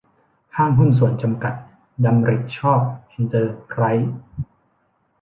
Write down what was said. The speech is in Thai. ห้างหุ้นส่วนจำกัด ดำริห์ชอบเอนเตอรไพรส์